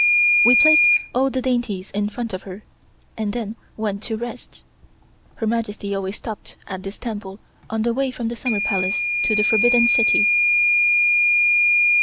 We placed all the dainties in front of her, and then we went to rest. Her Majesty always stopped at this temple on the way from the Summer Palace to the Forbidden City.